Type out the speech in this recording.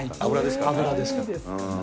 油ですから。